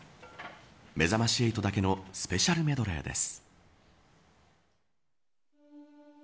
めざまし８だけのスペシャルメドレーです。